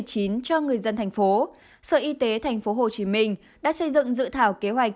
cho người dân thành phố sở y tế thành phố hồ chí minh đã xây dựng dự thảo kế hoạch